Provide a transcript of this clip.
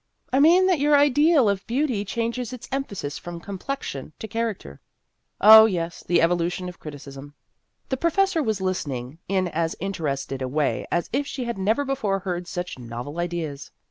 " I mean that your ideal of beauty changes its emphasis from complexion to character." " Oh, yes, the evolution of criticism." The professor was listening in as inter ested a way as if she had never before heard such novel ideas.